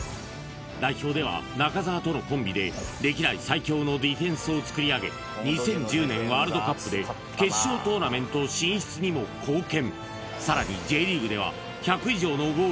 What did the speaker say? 代表では中澤とのコンビで歴代最強のディフェンスをつくりあげ２０１０年ワールドカップで決勝トーナメント進出にも貢献